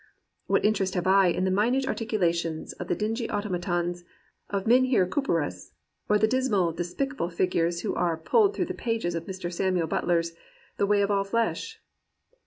^ What interest have I in the minute ar ticulations of the dingy automatons of Mijnheer Couperus, or the dismal, despicable figures who are pulled through the pages of Mr. Samuel Butler's The Way of All Flesh